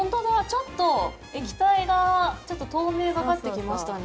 ちょっと液体が透明がかってきましたね。